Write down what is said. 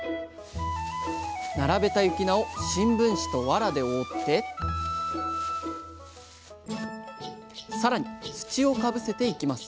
並べた雪菜を新聞紙とわらで覆ってさらに土をかぶせていきます